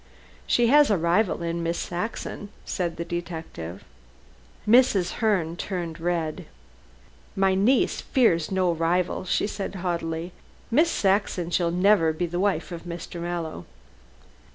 "She has a rival in Miss Saxon," said the detective. Mrs. Herne turned red. "My niece fears no rival," she said haughtily. "Miss Saxon shall never be the wife of Mr. Mallow."